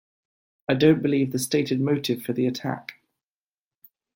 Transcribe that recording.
I don't believe the stated motive for the attack.